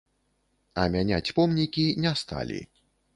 А мяняць помнікі не сталі.